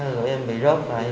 lưỡi em bị rớt lại